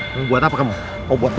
mau buat apa kamu mau buat apa